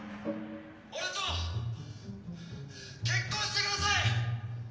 俺と結婚してください！